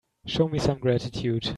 Show me some gratitude.